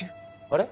あれ？